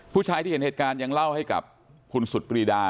ผู้ชายที่เห็นเหตุการณ์ยังเล่าให้กับคุณสุดปรีดา